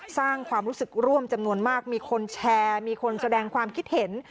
สร้างความรู้สึกร่วมจำนวนมากมีคนแชร์มีคนแสดงความคิดเห็น